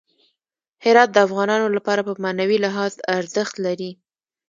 هرات د افغانانو لپاره په معنوي لحاظ ارزښت لري.